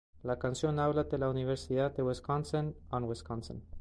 La canción habla de la Universidad de Wisconsin "On Wisconsin".